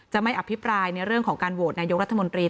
ไม่อภิปรายในเรื่องของการโหวตนายกรัฐมนตรี